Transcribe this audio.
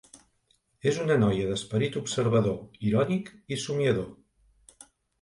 És una noia d'esperit observador, irònic i somiador.